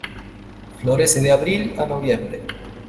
Florece de abril a noviembre.